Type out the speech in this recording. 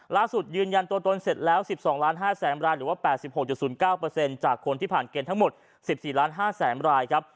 ล่าสุดยืนยันตัวตนเสร็จแล้วสิบสองล้านห้าแสนรายหรือว่าแปดสิบหกจุดศูนย์เก้าเปอร์เซ็นต์จากคนที่ผ่านเกณฑ์ทั้งหมดสิบสี่ล้านห้าแสนรายครับ